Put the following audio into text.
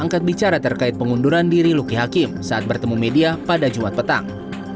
angkat bicara terkait pengunduran diri luki hakim saat bertemu media pada jumat petang